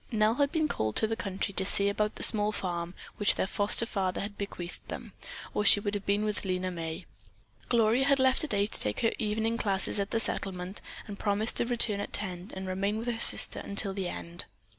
Nell had been called to the country to see about the small farm which their foster father had bequeathed them, or she would have been with Lena May. Gloria had left at eight to take her evening classes at the Settlement, and had promised to return at ten and remain with her sister until the end.